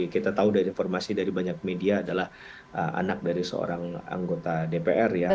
kita tahu dari informasi dari banyak media adalah anak dari seorang anggota dpr ya